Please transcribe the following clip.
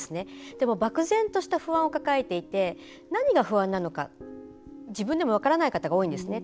でも漠然とした不安を抱えていて何が不安なのか、自分でも分からない方が多いんですね。